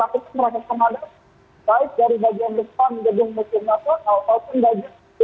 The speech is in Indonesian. namun belum bisa dikatakan padang karena masih ada api yang masih membakar area di sekitar lokasi di jepang